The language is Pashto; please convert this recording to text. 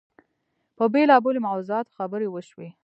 په بېلابېلو موضوعاتو خبرې وشوې.